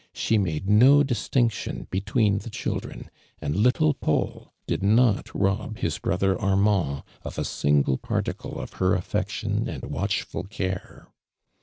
she made no distinction between the chil dren, and little Paul did not lob his bro ther Armand of a single j>artiele of her art'ection and watchful care.